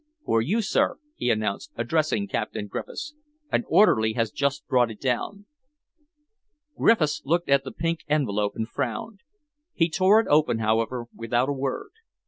"For you, sir," he announced, addressing Captain Griffiths. "An orderly has just brought it down." Griffiths looked at the pink envelope and frowned. He tore it open, however, without a word.